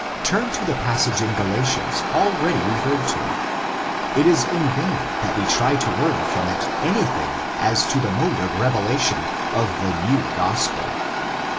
Turn to the passage in Galatians already referred to; it 18 in vain that we try to learn from it anything as to the mode of revelation of the new Gospel.